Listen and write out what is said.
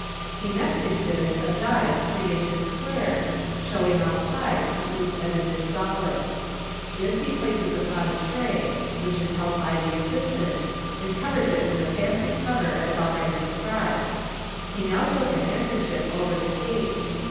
He next exhibits a die three inches square, showing all sides to prove that it is solid. This he places upon a tray, which Is held by the assistant, and covers it with a fancy cover as already described. He now throws a handkerchief over the Ciige.